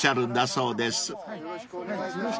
よろしくお願いします。